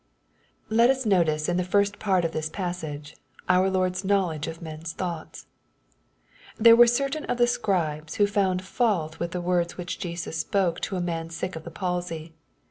Let us notice in the first part of this passage our Lord's knowledge of men's thoughts. There were certain of the scribes, who found fault with the words which Jesus spoke to a man sick of the palsy.